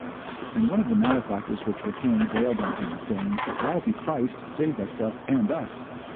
And one of the malefactors which were hanged railed on him, saying, If thou be Christ, save thyself and us.